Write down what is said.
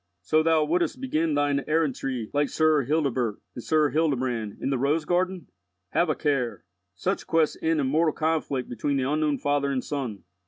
"So thou wouldst begin thine errantry like Sir Hildebert and Sir Hildebrand in the 'Rose garden'? Have a care. Such quests end in mortal conflict between the unknown father and son."